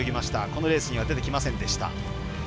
このレースには出てきませんでした。